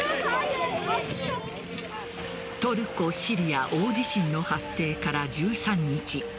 トルコ・シリア大地震の発生から１３日。